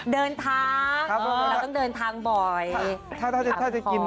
เดินทางเราต้องเดินทางบ่อย